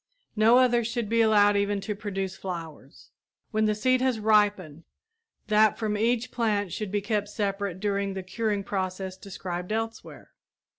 No others should be allowed even to produce flowers. When the seed has ripened, that from each plant should be kept separate during the curing process described elsewhere.